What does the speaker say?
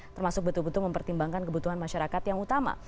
termasuk betul betul mempertimbangkan kebutuhan masyarakat yang utama